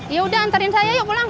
yaudah antren saya yuk pulang